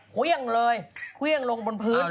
เครื่องเลยเครื่องลงบนพื้น